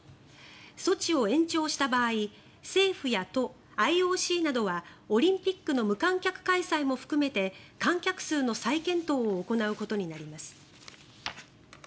措置を延長した場合政府や都、ＩＯＣなどはオリンピックの無観客開催も含めて観客数の再検討を行うことになります。